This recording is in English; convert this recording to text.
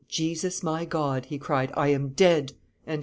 "Jesus, my God," he cried, "I am dead!"